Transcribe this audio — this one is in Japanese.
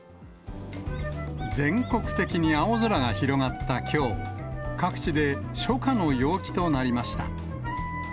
全国的に青空が広がったきょう、各地で初夏の陽気となりました。